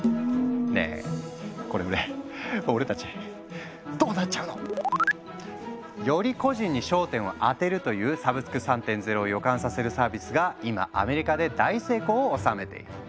ねえこれで俺たちどうなっちゃうの？より個人に焦点を当てるというサブスク３．０を予感させるサービスが今アメリカで大成功を収めている。